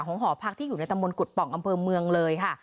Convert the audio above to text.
ของห่อพักที่อยู่ในตำวนกุฎปำลังอำเภอเมืองเลยค่ะ